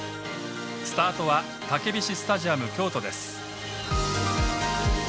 スタートはたけびしスタジアム京都です。